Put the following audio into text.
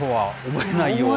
思えない。